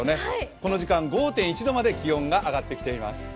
この時間、５．１度まで気温が揚がってきています。